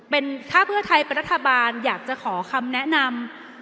เป็นถ้าเพื่อไทยเป็นรัฐบาลอยากจะขอคำแนะนำ